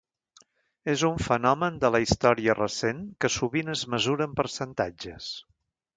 És un fenomen de la història recent que sovint es mesura en percentatges.